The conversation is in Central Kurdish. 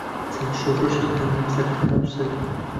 جا شۆڕش ئەکەن لەم سەر تا ئەوسەر